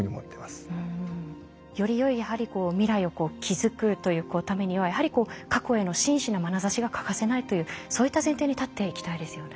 よりよい未来を築くというためにはやはり過去への真摯なまなざしが欠かせないというそういった前提に立っていきたいですよね。